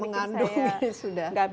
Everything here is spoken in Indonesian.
mengandung ini sudah